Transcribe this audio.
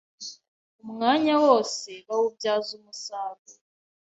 Umwanya wose bawubyaza umusaruro